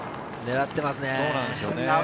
狙っていますね。